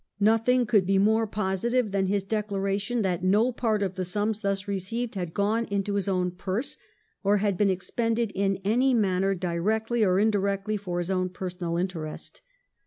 Nothing could be more positive than his declaration that no part of the sums thus received had gone into his own purse, or had been expended in any manner directly or indirectly for his own personal interest.